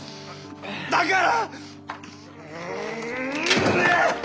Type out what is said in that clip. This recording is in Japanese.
だから！